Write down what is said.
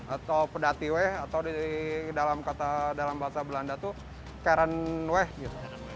atau pedatiweh atau dalam kata dalam bahasa belanda itu kerenweh gitu